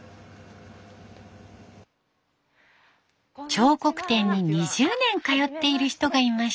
彫刻展に２０年通っている人がいました。